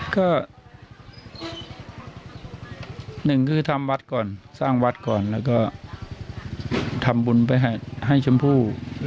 ก็หนึ่งคือทำวัดก่อนสร้างวัดก่อนแล้วก็ทำบุญไปให้ชมพู่